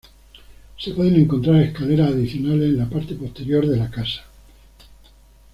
Se pueden encontrar escaleras adicionales en la parte posterior de la casa.